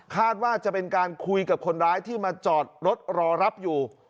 ว่าจะเป็นการคุยกับคนร้ายที่มาจอดรถรอรับอยู่